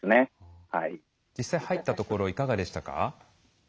実際入ったところいかがでしたか？